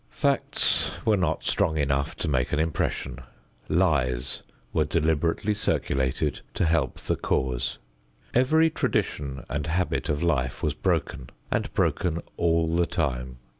Facts were not strong enough to make an impression. Lies were deliberately circulated to help the cause. Every tradition and habit of life was broken and broken all the time.